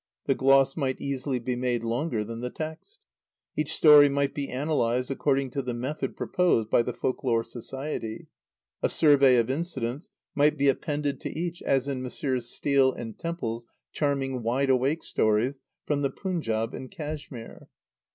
The gloss might easily be made longer than the text. Each story might be analysed according to the method proposed by the Folk Lore Society; a "survey of incidents" might be appended to each, as in Messrs. Steel and Temple's charming "Wide Awake Stories," from the Punjab and Cashmere.